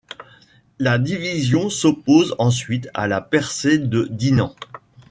La division s'oppose ensuite à la percée de Dinant.